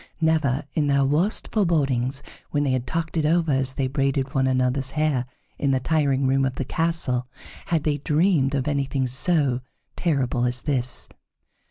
Never in their worst forebodings, when they had talked it over as they braided one another's hair in the tiring room of the castle, had they dreamed of anything so terrible as this.